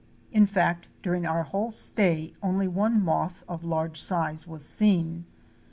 In fact during our whole stay only one moth of large size was seen.